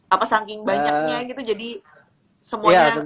apa saking banyaknya gitu jadi semuanya